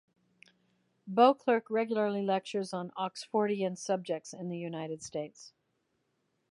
Beauclerk regularly lectures on Oxfordian subjects in the United States.